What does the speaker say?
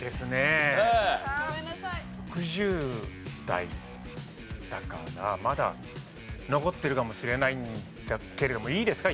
６０代だからまだ残ってるかもしれないんだけれどもいいですか？